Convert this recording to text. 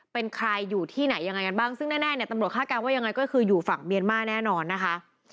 เป็นใครอยู่ที่ไหนยังไงกันบ้างซึ่งแน่เนี่ยตำรวจคาดการณ์ว่ายังไงก็คืออยู่ฝั่งเมียนมาร์แน่นอนนะคะ